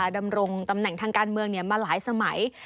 ดำรงตำแหน่งทางการเมืองมาหลายสมัย